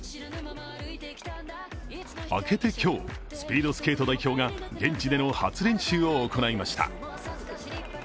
明けて今日、スピードスケート代表が現地での初練習を行いました。